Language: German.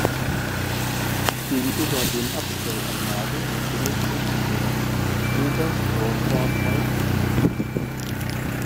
Gegenüber den Abstellanlagen befindet sich der Oberstdorfer Waldfriedhof.